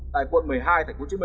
tại quận một mươi hai tp hcm